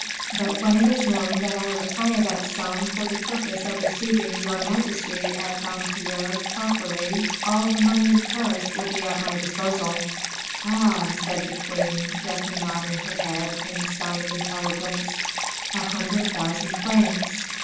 But when it is known that I require that sum for the purpose of receiving your majesty at Dampierre properly, all the money in Paris will be at my disposal." "Ah!" said the queen, gently nodding her head in sign of intelligence, "a hundred thousand francs!